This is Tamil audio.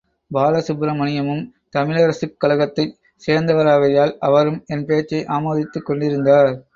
பாலசுப்ரமணியமும் தமிழரசுக் கழகத்தைச் சேர்ந்தவராகையால் அவரும் என் பேச்சை ஆமோதித்துக் கொண்டிருந்தார்.